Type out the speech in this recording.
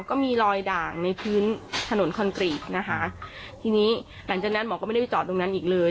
ก็มีรอยด่างในพื้นถนนคอนกรีตนะคะทีนี้หลังจากนั้นหมอก็ไม่ได้ไปจอดตรงนั้นอีกเลย